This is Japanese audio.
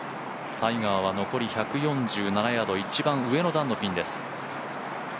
タイガーは残り１４７ヤード、一番上の段のピンです。